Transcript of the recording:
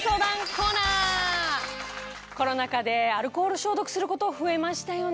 コロナ禍でアルコール消毒すること増えましたよね。